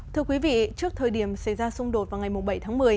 thưa quý vị trước thời điểm xảy ra xung đột vào ngày bảy tháng một mươi